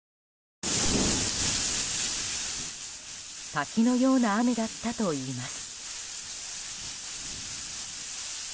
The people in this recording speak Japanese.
滝のような雨だったといいます。